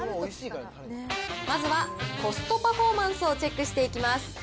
まずはコストパフォーマンスをチェックしていきます。